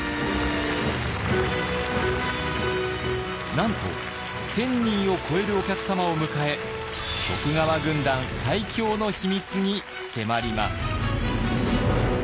なんと１，０００人を超えるお客様を迎え徳川軍団最強の秘密に迫ります。